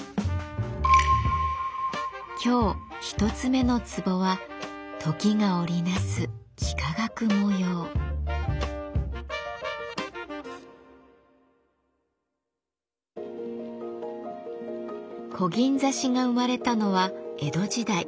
今日１つ目の壺はこぎん刺しが生まれたのは江戸時代。